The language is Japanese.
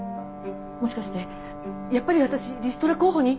もしかしてやっぱり私リストラ候補に？